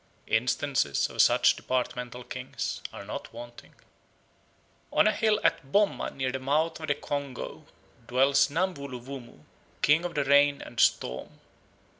Instances of such departmental kings are not wanting. On a hill at Bomma near the mouth of the Congo dwells Namvulu Vumu, King of the Rain and Storm.